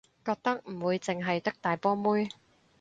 覺得唔會淨係得大波妹